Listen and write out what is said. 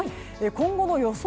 今後の予想